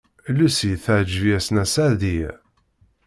Lucy teɛjeb-as Nna Seɛdiya.